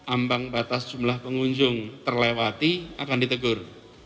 ambang batas jumlah pengunjung terlewati akan ditegur